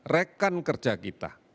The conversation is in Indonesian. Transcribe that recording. rekan kerja kita